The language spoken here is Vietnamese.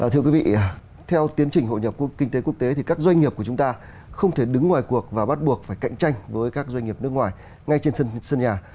thưa quý vị theo tiến trình hội nhập quốc tế quốc tế thì các doanh nghiệp của chúng ta không thể đứng ngoài cuộc và bắt buộc phải cạnh tranh với các doanh nghiệp nước ngoài ngay trên sân nhà